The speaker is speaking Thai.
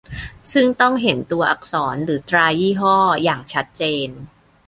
ซึ่งต้องเห็นตัวอักษรหรือตรายี่ห้ออย่างชัดเจน